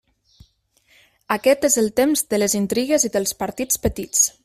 Aquest és el temps de les intrigues i dels partits petits.